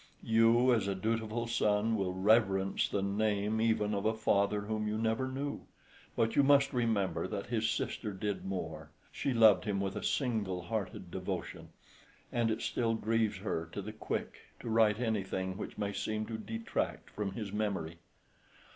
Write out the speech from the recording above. You as a dutiful son will reverence the name even of a father whom you never knew; but you must remember that his sister did more; she loved him with a single hearted devotion, and it still grieves her to the quick to write anything which may seem to detract from his memory.